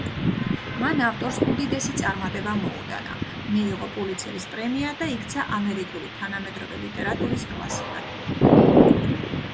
მან ავტორს უდიდესი წარმატება მოუტანა, მიიღო პულიცერის პრემია და იქცა ამერიკული თანამედროვე ლიტერატურის კლასიკად.